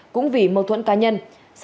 cũng vì mâu thuẫn cá nhân